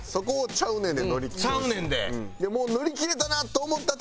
「ちゃうねん」で。